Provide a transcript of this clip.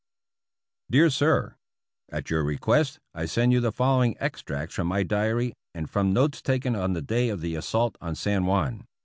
Dear Sir : At your request, I send you the following extracts from my diary, and from notes taken on the day of the assault on San Juan.